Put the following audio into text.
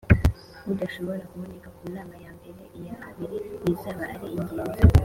udashoboye kuboneka ku nama ya mbere iya kabiri ntizaba ari ingenzi